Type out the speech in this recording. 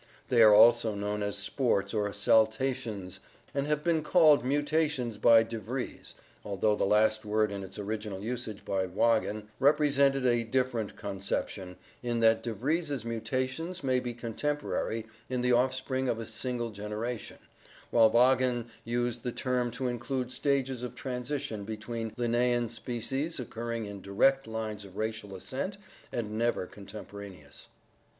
They are also known as sports or saltations (see page 137) and have been called mutations by De Vries, although the last word in its original usage by Waagen represented a different conception, in that De Vries's mutations may be contemporary, in the offspring of a single generation, while Waagen used the term to include stages of transition between Linnaean species occurring in direct lines of racial ascent and never contemporaneous.